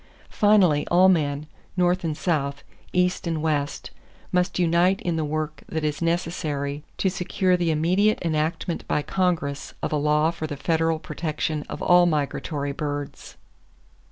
Finally, all men, North and South, East and West, must unite in the work that is necessary to secure the immediate enactment by Congress of a law for the federal protection of all migratory birds.